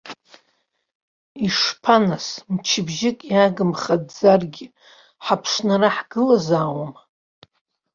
Ишԥа нас, мчыбжьык иагымхаӡаргьы, ҳаԥшны ара ҳгылазаауама?